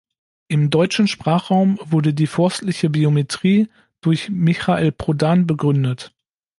Im deutschen Sprachraum wurde die forstliche Biometrie durch Michail Prodan begründet.